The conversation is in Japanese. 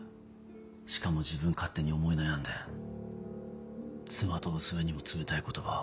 しかも自分勝手に思い悩んで妻と娘にも冷たい言葉を。